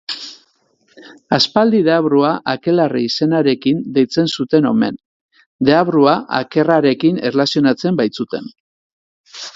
Aspaldi deabrua akelarre izenarekin deitzen zuten omen, deabrua akerrarekin erlazionatzen baitzuten.